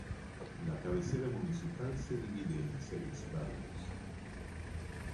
La cabecera municipal se divide en seis barrios.